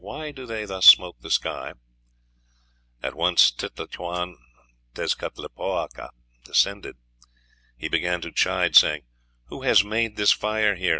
Why do they thus smoke the sky?' At once Titlacahuan Tezcatlipoca descended. He began to chide, saying, 'Who has made this fire here?'